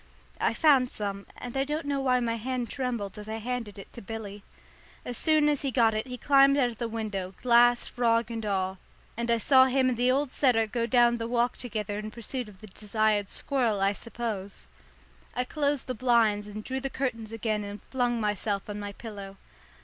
I found some, and I don't know why my hand trembled as I handed it to Billy. As soon as he got it he climbed out of the window, glass, frog and all, and I saw him and the old setter go down the garden walk together in pursuit of the desired squirrel, I suppose. I closed the blinds and drew the curtains again and flung myself on my pillow.